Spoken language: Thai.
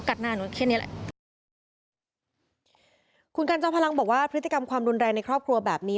คุณกนะเจ้าพลังบอกว่าพฤติกรรมความรุนแรงในครอบครัวแบบนี้